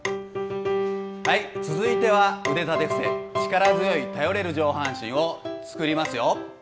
続いては腕立て伏せ、力強い頼れる上半身を作りますよ。